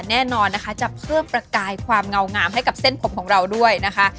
แน่นอนนะคะจะเพิ่มประกายความเงางามให้กับเส้นผมของเราด้วยนะคะ